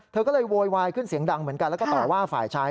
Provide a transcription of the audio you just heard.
เธอก็เลยโวยวายขึ้นเสียงดังเหมือนกันแล้วก็ต่อว่าฝ่ายชาย